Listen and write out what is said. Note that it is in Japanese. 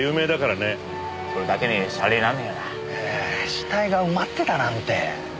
死体が埋まってたなんて。